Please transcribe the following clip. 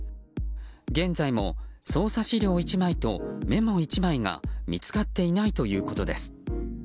現在も捜査資料１枚とメモ１枚が見つかっていないということです。